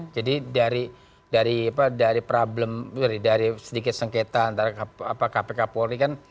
jadi dari problem dari sedikit sengketa antara kpk polri kan